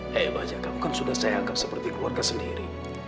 saya baca kamu kan sudah saya anggap seperti keluarga sendiri